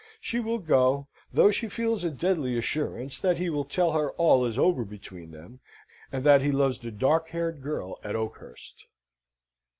She will go, though she feels a deadly assurance that he will tell her all is over between them, and that he loves the dark haired girl at Oakhurst.